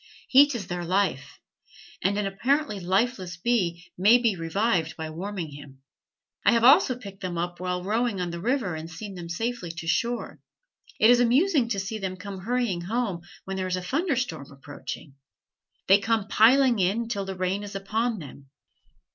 Heat is their life, and an apparently lifeless bee may be revived by warming him. I have also picked them up while rowing on the river and seen them safely to shore. It is amusing to see them come hurrying home when there is a thunderstorm approaching. They come piling in till the rain is upon them.